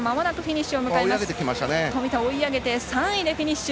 富田、追い上げて３位でフィニッシュ。